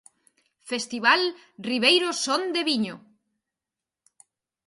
Festival Ribeiro Son de Viño.